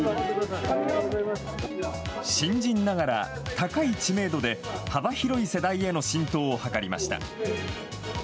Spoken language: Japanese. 新人ながら高い知名度で幅広い世代への浸透を図りました。